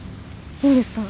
いいんですか？